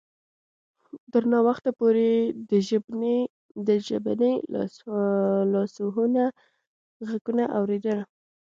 تر ناوخته پورې یې د ژبني لاسوهنو غږونه اوریدل